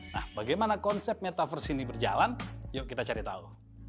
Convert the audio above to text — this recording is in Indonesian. nah bagaimana konsep metaverse ini berjalan yuk kita cari tahu